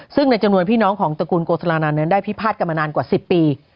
ซึ่งในจำนวนพี่น้องของตระกูลโกสลานันนั้นได้พิพาทกันมานานกว่า๑๐ปี